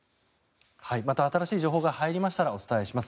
また新しい情報が入りましたらお伝えします。